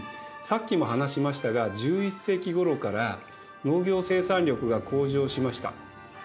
さっきも話しましたが１１世紀ごろから農業生産力が向上しました。